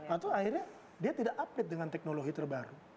atau akhirnya dia tidak update dengan teknologi terbaru